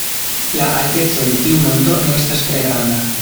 La alteco de tiu monto ne estas tre granda.